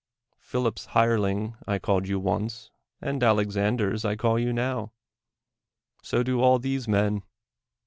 Phil ip 's hireling I called you once, and Alexander's I call you now. So do all these men.